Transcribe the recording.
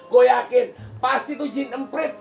gua yakin pasti itu jin empret